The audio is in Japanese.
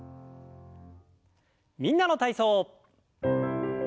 「みんなの体操」。